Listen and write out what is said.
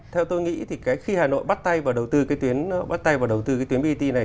theo tôi nghĩ thì khi hà nội bắt tay vào đầu tư cái tuyến brt này